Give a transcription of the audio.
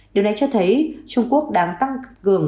điều này cho thấy trung quốc đang tăng cường